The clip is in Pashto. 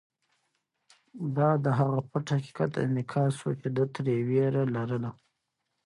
دا د هغه پټ حقیقت انعکاس و چې ده ترې وېره لرله.